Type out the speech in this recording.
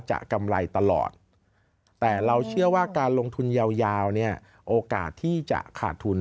จะได้เอาไว้ลดหย่อนภาษีอาจจะขาดทุน